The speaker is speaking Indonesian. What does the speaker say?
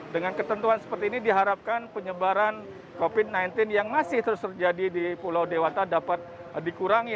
dengan ketentuan seperti ini diharapkan penyebaran covid sembilan belas yang masih terus terjadi di pulau dewata dapat dikurangi